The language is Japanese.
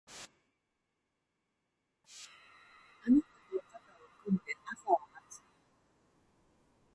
あなたと肩を組んで朝を待つ